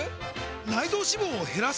内臓脂肪を減らす！？